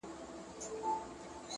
د اوښ بـارونـه پـــه واوښـتـل;